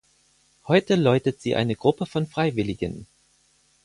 Heute läutet sie eine Gruppe von Freiwilligen.